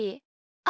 あ。